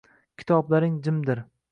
Kitoblaring jimdir